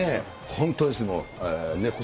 本当です。